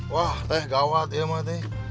wah teh gawat ya mah teh